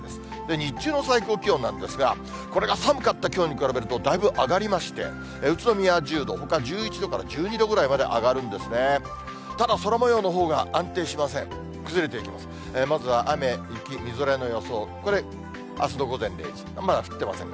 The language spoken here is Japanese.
日中の最高気温なんですが、これが寒かったきょうに比べると、だいぶ上がりまして、宇都宮１０度、ほか１１度から１２度ぐらいまで上がるんですね。